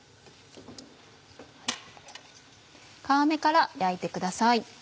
皮目から焼いてください。